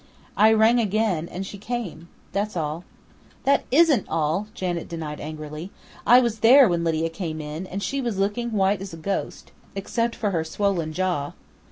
I rang again, and she came.... That's all!" "That isn't all!" Janet denied angrily. "I was there when Lydia came in, and she was looking white as a ghost except for her swollen jaw.